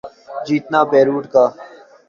جتنا بیروت کا۔